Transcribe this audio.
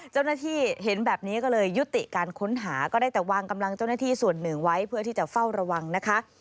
เจ้าหน้าที่เห็นแบบนี้ก็เลยยุติการค้นหาก็ได้แต่วางกำลังเจ้าหน้าที่ส่วนหนึ่งไว้เพื่อที่จะเฝ้าระวังนะคะ